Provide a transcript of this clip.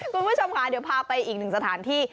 คุณผู้ชมค่ะเดี๋ยวพาไปอีกหนึ่งสถานที่